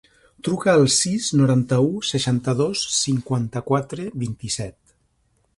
Truca al sis, noranta-u, seixanta-dos, cinquanta-quatre, vint-i-set.